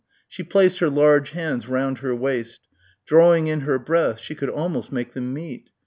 She placed her large hands round her waist. Drawing in her breath she could almost make them meet.